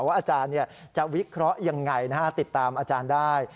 อาจารย์จะวิเคราะห์ยังไงติดตามอาจารย์ได้